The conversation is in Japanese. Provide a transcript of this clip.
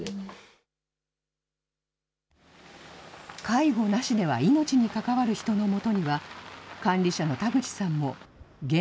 介護なしでは命に関わる人のもとには、管理者の田口さんも現